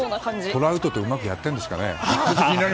トラウトとうまくやってるんですかね。